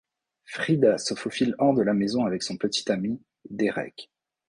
Frida se faufile hors de la maison avec son petit ami, Derek.